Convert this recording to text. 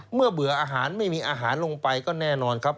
เบื่ออาหารไม่มีอาหารลงไปก็แน่นอนครับ